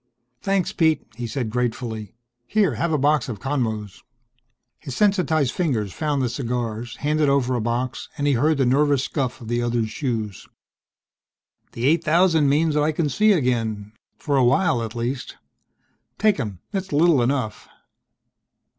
"Thanks, Pete," he said gratefully. "Here, have a box of Conmos." His sensitized fingers found the cigars, handed over a box, and he heard the nervous scuff of the other's shoes. "This eight thousand means I can see again for a while at least. Take 'em! It's little enough."